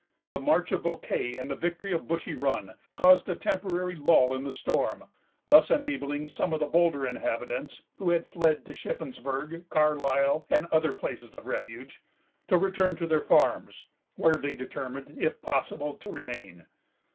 The march of Bouquet, and the victory of Bushy Run, caused a temporary lull in the storm, thus enabling some of the bolder inhabitants, who had fled to Shippensburg, Carlisle, and other places of refuge, to return to their farms, where they determined, if possible, to remain.